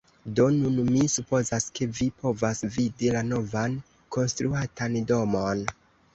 Do, nun mi supozas, ke vi povas vidi la novan, konstruatan domon